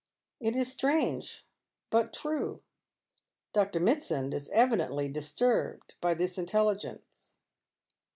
" It is strange, 1jut true." Dr. Mitsand is evidently disturbed by this intelhgence.